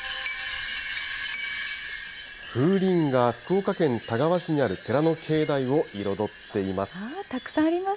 風鈴が福岡県田川市にある寺の境内を彩っています。